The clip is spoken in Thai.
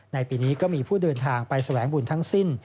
ในปีนี้ก็มีผู้เดินทางไปแสวงบุญทั้งสิ้น